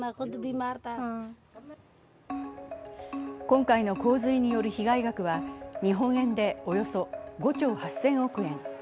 今回の洪水による被害額は日本円でおよそ５兆８０００億円。